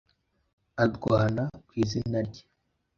arwana ku izina rye